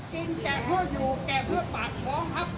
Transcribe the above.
แก่เพื่ออยู่แก่เพื่อปากท้องครับ